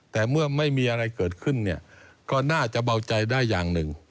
แต่เมื่อไม่มีอะไรเกิดขึ้นเนี่ยก็น่าจะเบาใจได้อย่างหนึ่ง